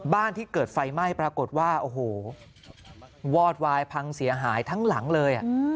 ที่เกิดไฟไหม้ปรากฏว่าโอ้โหวอดวายพังเสียหายทั้งหลังเลย